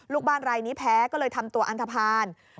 ลูกบ้านรายนี้แพ้ก็เลยทำตัวอันทภาณ